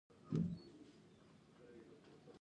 ثنا ساپۍ د بي بي سي پښتو ډېره تکړه ژورنالیسټه ده.